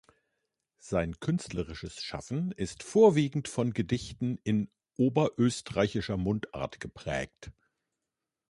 Sein künstlerisches Schaffen ist vorwiegend von Gedichten in oberösterreichischer Mundart geprägt.